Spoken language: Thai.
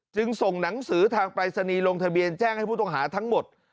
จึงส่งหนังสือทางปรายศนีย์ลงทะเบียนแจ้งให้ผู้ต้องหาทั้งหมด